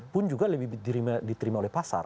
pun juga lebih diterima oleh pasar